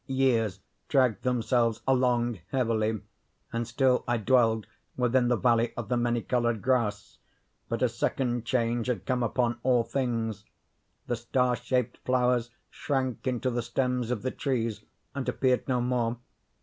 —Years dragged themselves along heavily, and still I dwelled within the Valley of the Many Colored Grass; but a second change had come upon all things. The star shaped flowers shrank into the stems of the trees, and appeared no more.